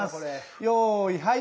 よいはい！